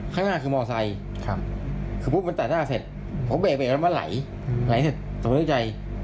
ข้างหน้าคือมอเซตพบจากหน้าเสร็จเบรกบันเต๋อล้าย